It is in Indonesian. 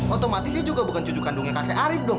otomatis dia juga bukan cucu kandungnya kak teh arif dong